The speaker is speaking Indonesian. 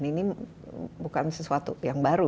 dan ini bukan sesuatu yang baru